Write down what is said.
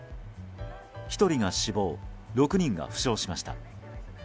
１人が死亡６人が負傷しました。